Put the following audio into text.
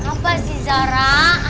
duh apa sih zara